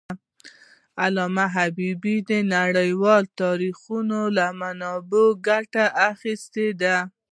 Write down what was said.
علامه حبيبي د نړیوالو تاریخونو له منابعو ګټه اخېستې ده.